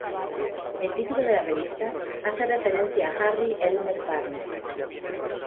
El título de la revista hace referencia a Harry Elmer Barnes.